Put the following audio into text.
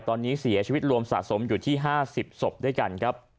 ตอนนี้เสียชีวิตรวมสะสมอยู่ที่๕๐ศพด้วยกันครับ